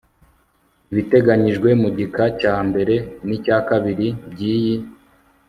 ibiteganyijwe mu gika cya mbere n icya kabiri by' iyi